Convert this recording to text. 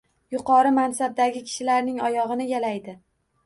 Yuqori mansabdagi kishilarning oyog’ini yalaydi